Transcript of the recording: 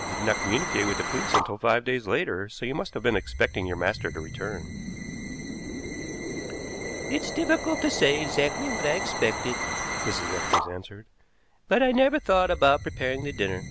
"You did not communicate with the police until five days later, so you must have been expecting your master to return." "It's difficult to say exactly what I expected," Mrs. Eccles answered, "but I never thought about preparing the dinner.